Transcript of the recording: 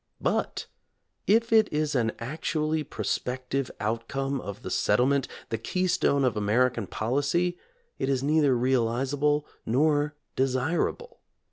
But if it is an actually prospective outcome of the settlement, the keystone of American policy, it is neither realizable nor desirable.